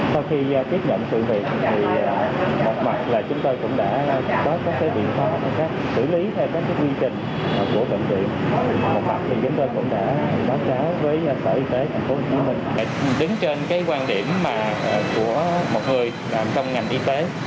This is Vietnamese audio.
điều này có thể làm tốt hơn cho những người mạnh mẽ đứng trên quan điểm của người làm trong ngành y tế